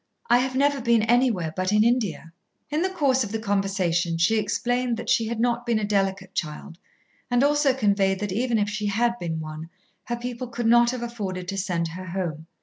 "I have never been anywhere but in India." In the course of the conversation she explained that she had not been a delicate child, and also conveyed that even if she had been one, her people could not have afforded to send her home.